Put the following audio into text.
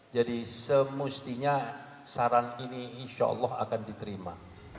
jadi semestinya saran ini insya allah akan diterima